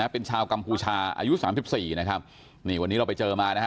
เป็นชาวกัมภูชาอายุ๓๔วันนี้เราไปเจอมา